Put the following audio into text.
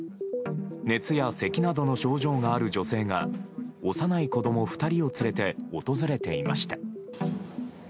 熱やせきなどの症状がある女性が幼い子供２人を連れて訪れていました。